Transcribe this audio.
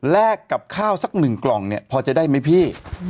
กับข้าวสักหนึ่งกล่องเนี่ยพอจะได้ไหมพี่